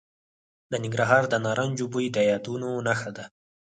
د ننګرهار د نارنجو بوی د یادونو نښه ده.